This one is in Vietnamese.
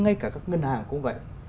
ngay cả các ngân hàng cũng vậy